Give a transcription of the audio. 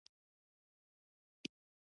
خوړل د ځوانې نجونې پخلی ښيي